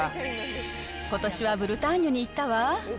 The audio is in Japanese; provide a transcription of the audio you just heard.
ことしはブルターニュに行ったわ。